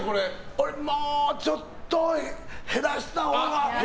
俺もうちょっと減らしたほうが。